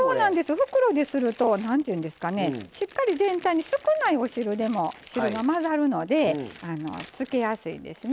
袋ですると何ていうんですかねしっかり全体に少ないお汁でも汁が混ざるので漬けやすいんですね。